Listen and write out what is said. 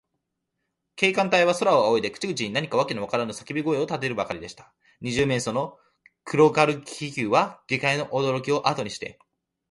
警官隊は、空をあおいで、口々に何かわけのわからぬさけび声をたてるばかりでした。二十面相の黒軽気球は、下界のおどろきをあとにして、